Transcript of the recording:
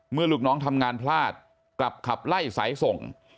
ลูกน้องทำงานพลาดกลับขับไล่สายส่ง